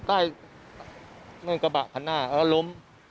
นั่นกระบะคันหน้าแล้วล้ม